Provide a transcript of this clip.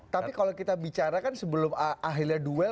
tapi kalau kita bicara kan sebelum akhirnya duel